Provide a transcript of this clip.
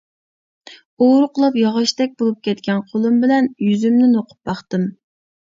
ئورۇقلاپ ياغاچتەك بولۇپ كەتكەن قولۇم بىلەن يۈزۈمنى نوقۇپ باقتىم.